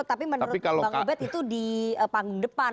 tapi menurut bang ubed itu di panggung depan